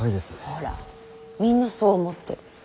ほらみんなそう思ってる。